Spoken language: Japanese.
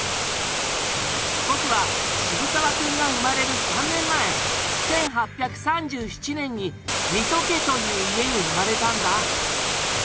僕は渋沢くんが生まれる３年前１８３７年に水戸家という家に生まれたんだ。